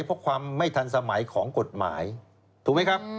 เพราะความไม่ทันสมัยของกฎหมายถูกไหมครับ